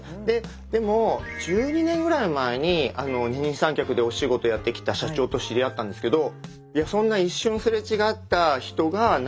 でも１２年ぐらい前に二人三脚でお仕事をやってきた社長と知り合ったんですけど。